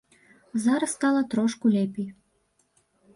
Зараз стала трошку лепей.